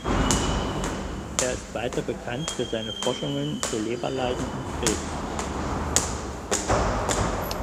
Er ist weiter bekannt für seine Forschungen zu Leberleiden und Krebs.